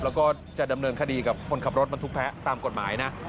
แล้วก็จะดำเนินคดีกับคนขับรถบรรทุกแพ้ตามกฎหมายนะ